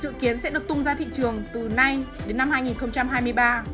dự kiến sẽ được tung ra thị trường từ nay đến năm hai nghìn hai mươi ba